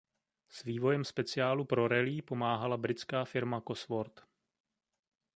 S vývojem speciálu pro rallye pomáhala britská firma Cosworth.